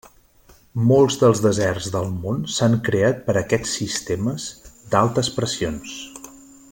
Molts dels deserts del món s'han creat per aquests sistemes d'altes pressions.